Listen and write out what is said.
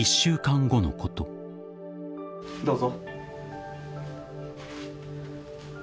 どうぞ。